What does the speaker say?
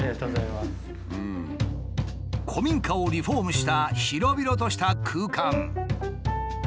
古民家をリフォームした広々とした空間。